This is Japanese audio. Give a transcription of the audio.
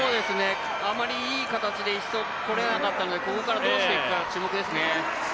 あまりいい形で１走これなかったのでここからどうしていくかが注目ですね。